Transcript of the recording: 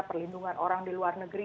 perlindungan orang di luar negeri